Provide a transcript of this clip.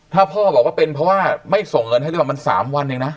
ถ้าพ่อบอกว่าเป็นเพราะว่าไม่ส่งเงินให้หรือเปล่ามัน๓วันเองนะ